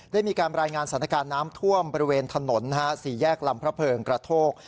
ได้มีการรายงานสถานการณ์น้ำท่วมบริเวณถนนสี่แยกลำพระเพิงกระโทก